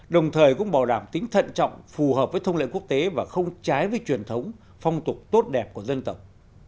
đồng thời cũng bảo đảm tính thận trọng phù hợp với thông lệ quốc tế và không trái với truyền thống phong tục tốt đẹp của dân tộc